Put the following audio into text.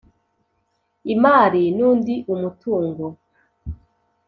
Imali n undi umutungo